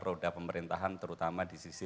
roda pemerintahan terutama di sisi